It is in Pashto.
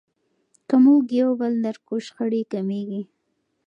که موږ یو بل درک کړو شخړې کمیږي.